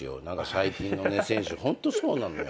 最近の選手ホントそうなのよ。